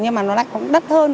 nhưng mà nó lại cũng đắt hơn